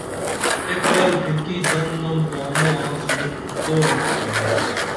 ایک ور پِھرکی دن نم تانوں آنس بُن پورن گٹِنا